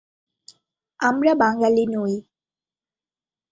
আমরা বাঙালি নই।